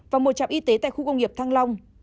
và một trạm y tế tại khu công nghiệp thăng long